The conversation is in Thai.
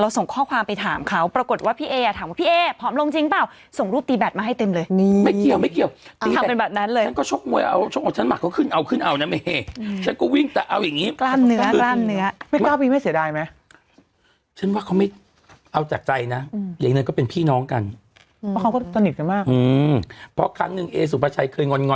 สิบห้ากิโลของจริงแต่ผมถามว่าจะแต่งกับลูกยืนยันสิบห้ากิโลของจริง